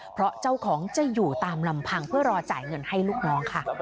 เพราะเจ้าของจะอยู่ตามลำพังเพื่อรอจ่ายเงินให้ลูกน้องค่ะ